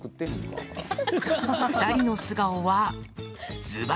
２人の素顔は、ずばり！